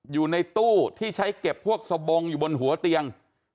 อยู่ในตู้ที่ใช้เก็บพวกสบงอยู่บนหัวเตียง